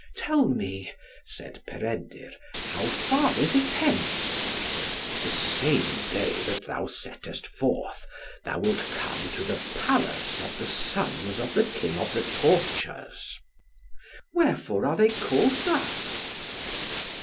"Tell me" said Peredur, "how far is it hence?" "The same day that thou settest forth, thou wilt come to the Palace of the Sons of the King of the Tortures." "Wherefore are they called thus?"